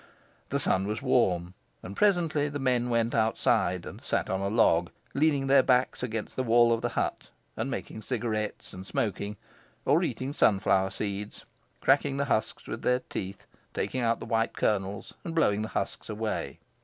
The sun was warm, and presently the men went outside and sat on a log, leaning their backs against the wall of the hut and making cigarettes and smoking, or eating sunflower seeds, cracking the husks with their teeth, taking out the white kernels, and blowing the husks away.